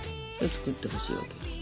作ってほしいわけよ。